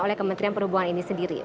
oleh kementerian perhubungan ini sendiri